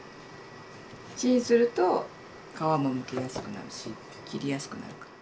チンすると皮もむきやすくなるし切りやすくなるから。